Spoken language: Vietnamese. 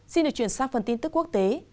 xin được chuyển sang phần tin tức quốc tế